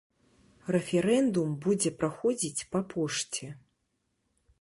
Рэферэндум будзе праходзіць па пошце.